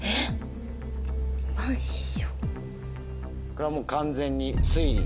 これはもう完全に推理？